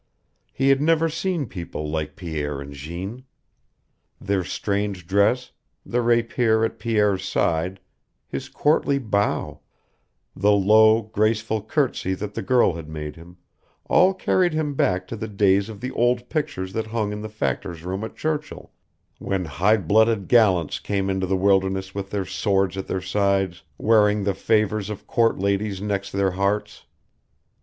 He had never seen people like Pierre and Jeanne. Their strange dress, the rapier at Pierre's side, his courtly bow, the low, graceful courtesy that the girl had made him, all carried him back to the days of the old pictures that hung in the factor's room at Churchill, when high blooded gallants came into the wilderness with their swords at their sides, wearing the favors of court ladies next their hearts.